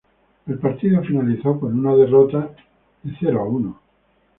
El partido finalizó con una derrota por cero a uno.